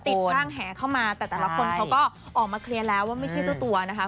ข้างแหเข้ามาแต่แต่ละคนเขาก็ออกมาเคลียร์แล้วว่าไม่ใช่เจ้าตัวนะคะ